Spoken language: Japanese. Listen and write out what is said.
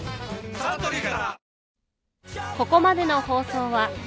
サントリーから！